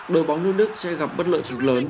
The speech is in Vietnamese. đội bóng nước đức sẽ gặp bất lợi trực lớn